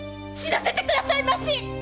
死なせてくださいまし！